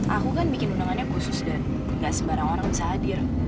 aku kan bikin undangannya khusus dan gak sembarang orang bisa hadir